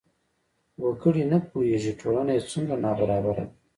وګړي نه پوهېږي ټولنه یې څومره نابرابره ده.